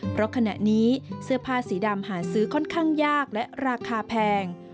เพราะขณะนี้เสื้อผ้าสีดำหาซื้อค่อนข้างยากและราคาแพง